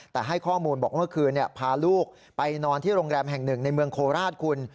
แต่ให้ข้อมูลบอกว่าเมื่อคืนพาลูกไปนอนที่โรงแรมแห่งหนึ่งในเมืองโคราชคุณ